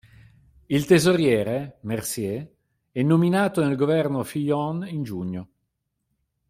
Il tesoriere, Mercier, è nominato nel governo Fillon in giugno.